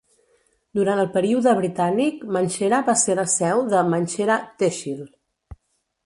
Durant el període britànic, Manshera va ser la seu de Mansehra "Tehsil".